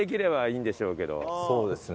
そうですね。